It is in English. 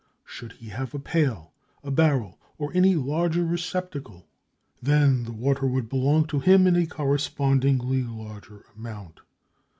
Should he have a pail, a barrel, or any larger receptacle, then the water would belong to him in a correspondingly larger amount.